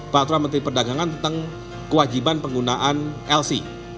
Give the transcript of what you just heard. peraturan menteri perdagangan tentang kewajiban penggunaan lc